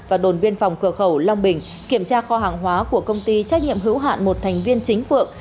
và đồn biên phòng cửa khẩu long bình kiểm tra kho hàng hóa của công ty trách nhiệm hữu hạn một thành viên chính phượng